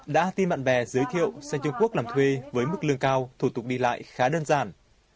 đã tin bạn bè giới thiệu xe trung quốc làm thuê với mức lương cao thủ tục đi lại khá đơn giản